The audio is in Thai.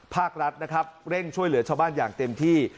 ภาครัฐนะครับเร่งช่วยเหลือชาวบ้านอย่างเต็มที่